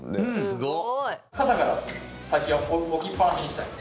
すごい！